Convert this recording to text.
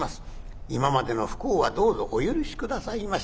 今までの不孝はどうぞお許し下さいまし』。